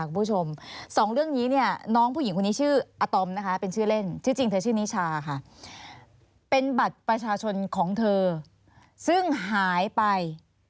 เป็นบัตรประชาชนของเธอซึ่งหายไป